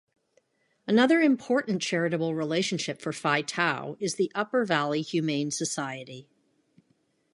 Another important charitable relationship for Phi Tau is the Upper Valley Humane Society.